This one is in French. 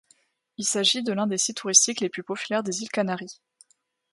Il s'agit de l'un des sites touristiques les plus populaires des îles Canaries.